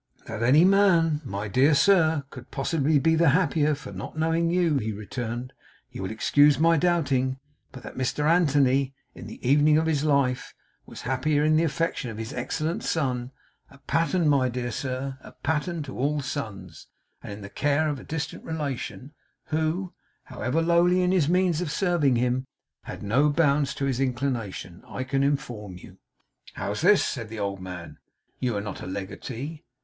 'That any man, my dear sir, could possibly be the happier for not knowing you,' he returned, 'you will excuse my doubting. But that Mr Anthony, in the evening of his life, was happier in the affection of his excellent son a pattern, my dear sir, a pattern to all sons and in the care of a distant relation who, however lowly in his means of serving him, had no bounds to his inclination; I can inform you.' 'How's this?' said the old man. 'You are not a legatee?